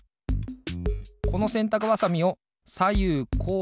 このせんたくばさみをさゆうこう